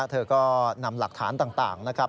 เธอก็นำหลักฐานต่างนะครับ